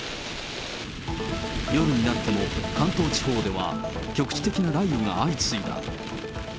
夜になっても、関東地方では局地的な雷雨が相次いだ。